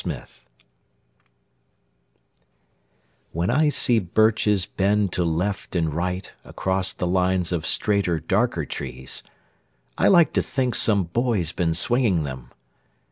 BIRCHES When I see birches bend to left and right Across the lines of straighter darker trees, I like to think some boy's been swinging them.